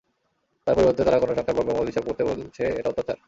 তার পরিবর্তে তাঁরা কোনো সংখ্যার বর্গমূল হিসাব করতে বলছে, এটা অত্যাচার।